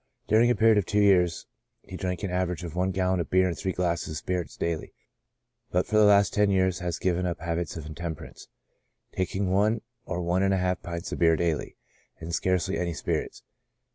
During a period of two years he drank on an average one gallon of beer and three glasses of spirits daily ; but for the last ten years has given up habits of intemperance, taking one or one and a half pints of beer daily, and scarcely any spirits.